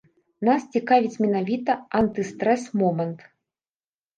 Нас цікавіць менавіта антыстрэс-момант.